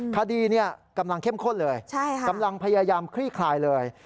คดีกำลังเข้มข้นเลยกำลังพยายามคลี่คลายเลย